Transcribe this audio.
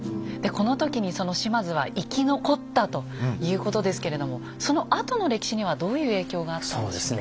この時にその島津は生き残ったということですけれどもそのあとの歴史にはどういう影響があったんでしょう？